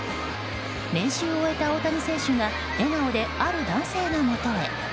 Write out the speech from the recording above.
練習を終えた大谷選手が笑顔で、ある男性のもとへ。